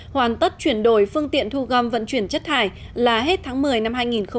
hoàn tất chuyển đổi phương tiện thu gom vận chuyển chất thải là hết tháng một mươi năm hai nghìn hai mươi